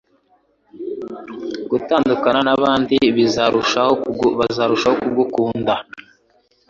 gutandukana n’Abandi bazarushaho kugukunda